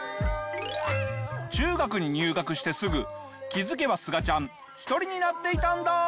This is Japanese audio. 中学に入学してすぐ気づけばすがちゃん一人になっていたんだ！